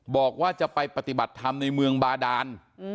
บอกว่าจะไปปฏิบัติธรรมในเมืองบาดาน